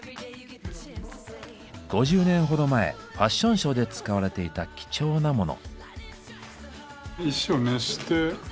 ５０年ほど前ファッションショーで使われていた貴重なモノ。